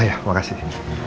oh ya makasih